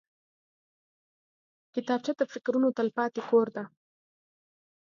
کتابچه د فکرونو تلپاتې کور دی